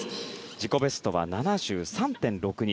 自己ベストは７３．６２。